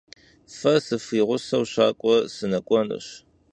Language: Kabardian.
Fe srifığuseu şak'ue sınek'uenuş.